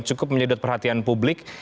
cukup menyedot perhatian publik